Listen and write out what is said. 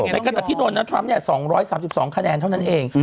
แต่ก็ตอนที่โดนนะทรัมป์เนี่ย๒๓๒คะแนนเท่านั้นเอง